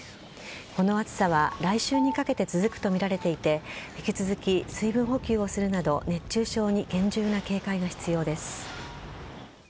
この暑さは来週にかけて続くとみられていて引き続き、水分補給をするなど熱中症に現住な警戒が必要です。